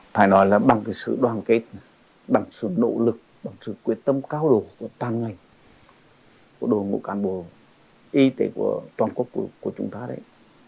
phải nói là bằng cái sự đoàn kết bằng sự nỗ lực bằng sự quyết tâm cao độ của toàn ngành của đội ngũ cán bộ y tế của toàn quốc của chúng ta đấy